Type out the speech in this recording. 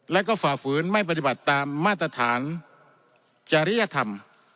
และก็ฝ่าฝืนไม่ปฏิบัติตามมาตรฐานจริยธรรม